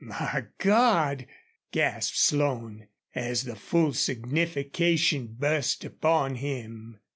"My God!" gasped Slone, as the full signification burst upon him.